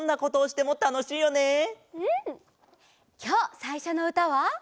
きょうさいしょのうたは。